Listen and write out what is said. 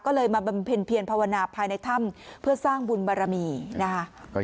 ก็เลยมาบำเพ็ญเพียรภาวนาภายในถ้ำเพื่อสร้างบุญบารมีนะคะ